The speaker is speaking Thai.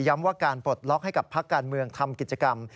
ว่าการปลดล็อกให้กับพักการเมืองทำกิจกรรม